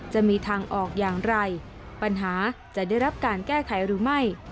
จะมีทางออกอย่างไรปัญหาจะได้รับการแก้ไขหรือไม่